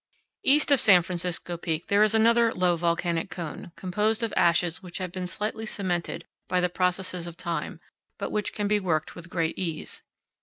East of San Francisco Peak there is another low volcanic cone, composed of ashes which have been slightly cemented by the processes of time, but which can be worked with great ease.